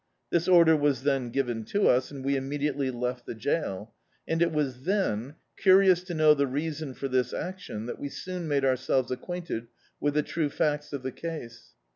This order was then given to us, and we immediately left the jail; and it was then, curious to know the rea son for this action, that we soon made ourselves ac quainted with the true facts of the case.